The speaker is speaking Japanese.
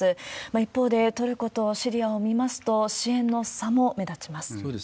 一方で、トルコとシリアを見ますと、支援の差も目立ちます。